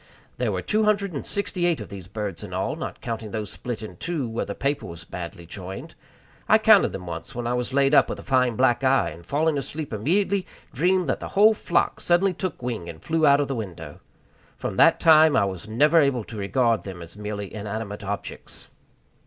There were two hundred and sixty eight of these birds in all, not counting those split in two where the paper was badly joined. I counted them once when I was laid up with a fine black eye, and falling asleep immediately dreamed that the whole flock suddenly took wing and flew out of the window. From that time I was never able to regard them as merely inanimate objects.